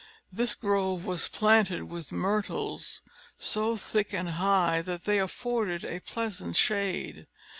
This grove was planted with myrtles, so thick and high that they afforded a pleasant shade.